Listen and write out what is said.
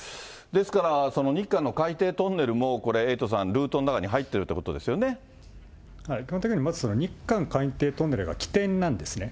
ですから日韓の海底トンネルも、これ、エイトさん、ルートの基本的にはまず日韓海底トンネルが起点なんですね。